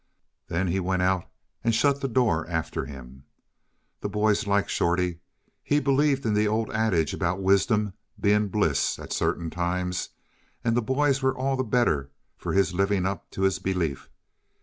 Then he went out and shut the door after him. The boys liked Shorty; he believed in the old adage about wisdom being bliss at certain times, and the boys were all the better for his living up to his belief.